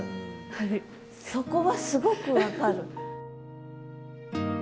そこはすごく分かる。